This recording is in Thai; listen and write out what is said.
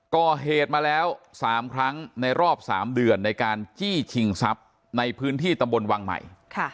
ก่อเหตุมาแล้ว๓ครั้งในรอบ๓เดือนในการจี้ชิงทรัพย์ในพื้นที่ตำบลวังใหม่